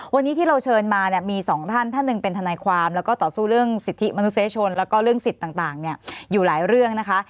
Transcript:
วันนี้ที่เราเชิญมาเนี่ยมีสองท่านท่านหนึ่งเป็นทนายความแล้วก็ต่อสู้เรื่องสิทธิมนุษยชนแล้วก็เรื่องสิทธิ์ต่างอยู่หลายเรื่องนะคะ